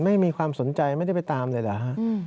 ไม่มีความสนใจไม่ได้ไปตามเลยเหรอฮะ